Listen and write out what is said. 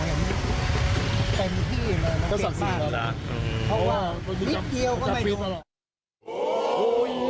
เพราะว่านิดเดียวก็ไปดู